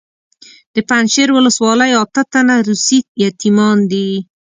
د پنجشیر ولسوالۍ اته تنه روسي یتیمان دي.